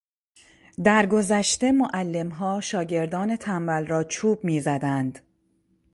در گذشته معلمها شاگردان تنبل را چوب میزدند.